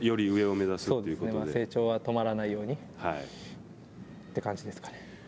そうですね、成長は止まらないようにって感じですかね。